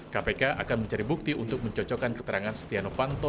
kpk akan mencari bukti untuk mencocokkan keterangan setia novanto